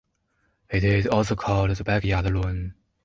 It is also called "The Backyard Lawn".